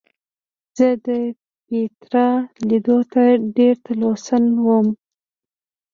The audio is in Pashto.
زه د پیترا لیدلو ته ډېر تلوسمن وم.